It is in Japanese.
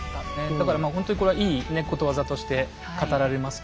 だからまあほんとにこれはいいことわざとして語られますけど。